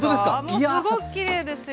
もうすごくきれいですよ。